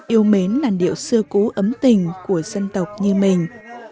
yêu mến làn điệu xưa cú ấm tình của dân tộc như mình